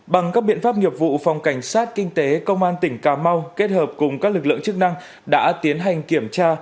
bằng các biện pháp nghiệp vụ phòng cảnh sát kinh tế công an tỉnh cà mau kết hợp cùng các lực lượng chức năng đã tiến hành kiểm tra